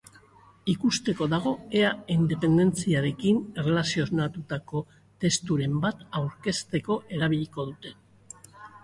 Ikusteko dago ea independentziarekin erlazionatutako testuren bat aurkezteko erabiliko duten.